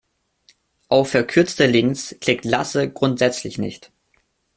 Auf verkürzte Links klickt Lasse grundsätzlich nicht.